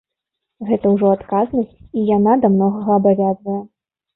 Гэта ўжо адказнасць і яна да многага абавязвае.